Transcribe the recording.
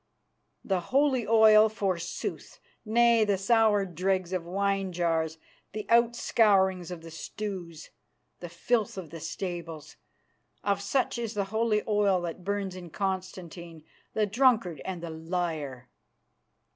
The holy oil forsooth! Nay, the sour dregs of wine jars, the outscourings of the stews, the filth of the stables, of such is the holy oil that burns in Constantine, the drunkard and the liar."